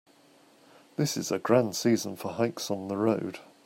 This is a grand season for hikes on the road.